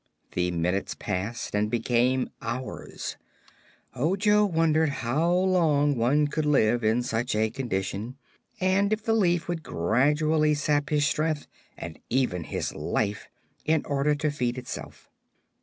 The minutes passed and became hours. Ojo wondered how long one could live in such a condition and if the leaf would gradually sap his strength and even his life, in order to feed itself.